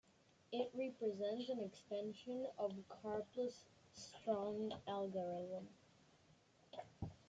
It represents an extension of the Karplus-Strong algorithm.